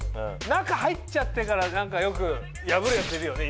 中入っちゃってからよく破るヤツいるよね